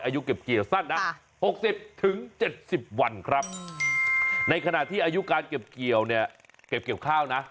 อายุเก็บเกี่ยวสั้น๖๐๗๐วันในขณะที่อายุการเก็บเกี่ยวเก็บเก็บข้าว